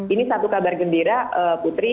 ini satu kabar gembira putri